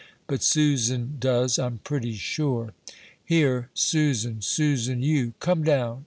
But Susan does, I'm pretty sure." "Here, Susan! Susan! you come down!"